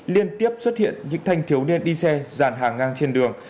liên tiếp xuất hiện những thanh thiếu niên đi xe giàn hàng ngang trên đường